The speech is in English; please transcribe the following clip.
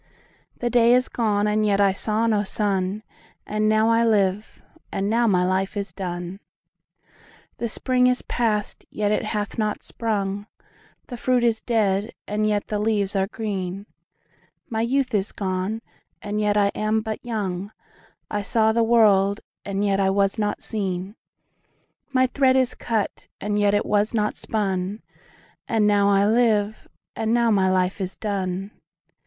5The day is gone and yet I saw no sun,6And now I live, and now my life is done.7The spring is past, and yet it hath not sprung,8The fruit is dead, and yet the leaves are green,9My youth is gone, and yet I am but young,10I saw the world, and yet I was not seen,11My thread is cut, and yet it was not spun,12And now I live, and now my life is done.